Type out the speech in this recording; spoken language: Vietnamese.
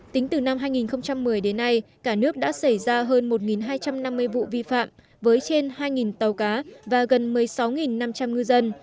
tính từ năm hai nghìn một mươi đến nay cả nước đã xảy ra hơn một hai trăm năm mươi vụ vi phạm với trên hai tàu cá và gần một mươi sáu năm trăm linh ngư dân